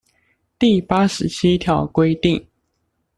第八十七條規定